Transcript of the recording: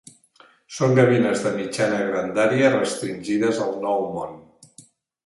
Són gavines de mitjana grandària restringides al Nou Món.